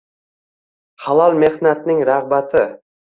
Halol mehnatning rag‘bati